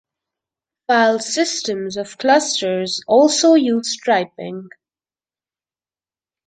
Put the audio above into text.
File systems of clusters also use striping.